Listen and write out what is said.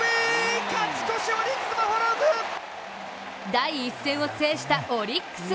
第１戦を制したオリックス。